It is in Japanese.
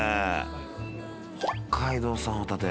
北海道産ホタテ。